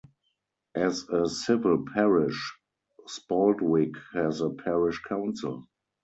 As a civil parish, Spaldwick has a parish council.